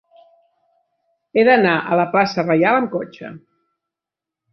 He d'anar a la plaça Reial amb cotxe.